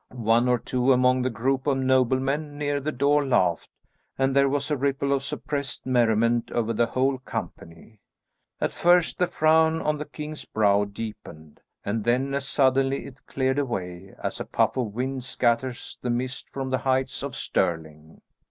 One or two among the group of noblemen near the door laughed, and there was a ripple of suppressed merriment over the whole company. At first the frown on the king's brow deepened, and then as suddenly it cleared away, as a puff of wind scatters the mist from the heights of Stirling.